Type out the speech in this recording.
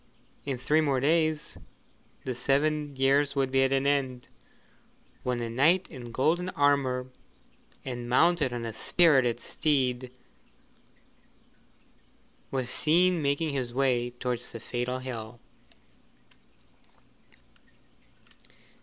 In three more days the seven years would be at an end, when a knight in golden armour and mounted on a spirited steed was seen making his way towards the fatal hill.